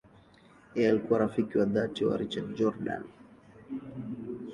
Yeye alikuwa rafiki wa dhati wa Richard Jordan.